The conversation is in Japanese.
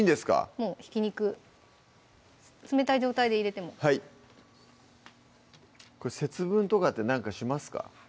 もうひき肉冷たい状態で入れても節分とかって何かしますか？